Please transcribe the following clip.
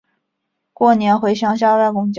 过年回乡下外公家